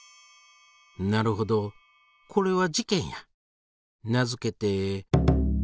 なるほどこれは事件や。